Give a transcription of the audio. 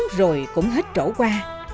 đi hay không uống rồi cũng hết trổ qua